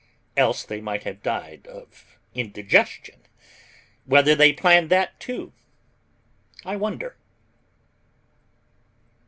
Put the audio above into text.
Else they might have died of indigestion. Whether they planned that, too, I wonder.